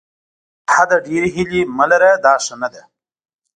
له حده ډېرې هیلې مه لره دا ښه نه ده.